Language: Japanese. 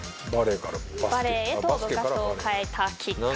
バレーへと部活を変えたきっかけ。